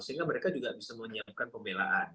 sehingga mereka juga bisa menyiapkan pembelaan